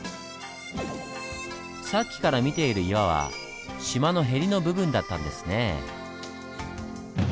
さっきから見ている岩は島のへりの部分だったんですねぇ。